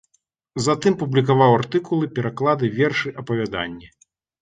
Затым публікаваў артыкулы, пераклады, вершы, апавяданні.